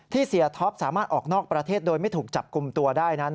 เสียท็อปสามารถออกนอกประเทศโดยไม่ถูกจับกลุ่มตัวได้นั้น